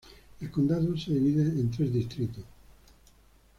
El condado se divide en tres distritos:.